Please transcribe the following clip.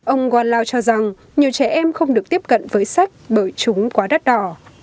ông guanlao cho rằng nhiều trẻ em không được tiếp cận với sách bởi chúng quá đắt đỏ